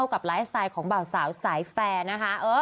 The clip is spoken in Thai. สิ้นผู้สายของบ่าวสาวทรายแฟนนะคะ